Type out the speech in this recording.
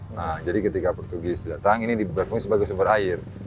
nah jadi ketika portugis datang ini berfungsi sebagai sumber air